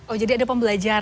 oh jadi ada pembelajaran